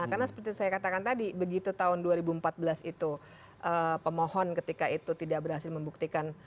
karena seperti saya katakan tadi begitu tahun dua ribu empat belas itu pemohon ketika itu tidak berhasil membuktikan